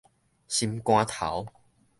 心肝頭